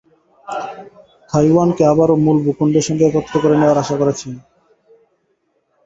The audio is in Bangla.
তাইওয়ানকে আবারও মূল ভূখণ্ডের সঙ্গে একত্র করে নেওয়ার আশা করে চীন।